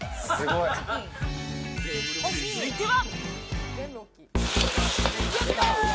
続いては。